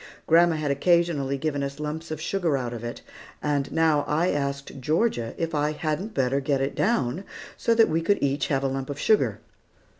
Grandma had occasionally given us lumps of sugar out of it; and I now asked Georgia if I hadn't better get it down, so that we could each have a lump of sugar.